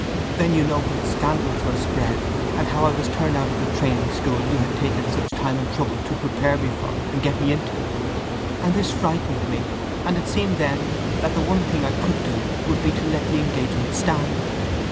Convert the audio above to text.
Then you know what scandals were spread, and how I was turned out of the training school you had taken such time and trouble to prepare me for and get me into; and this frightened me and it seemed then that the one thing I could do would be to let the engagement stand.